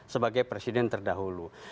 sebagai presiden terdahulu